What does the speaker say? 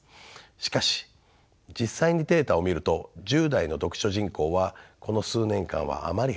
しかし実際にデータを見ると１０代の読書人口はこの数年間はあまり減っていません。